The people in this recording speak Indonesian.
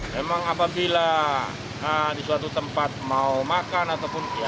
memang apabila di suatu tempat mau makan ataupun